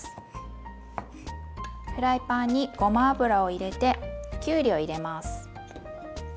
フライパンにごま油を入れてきゅうりを入れます。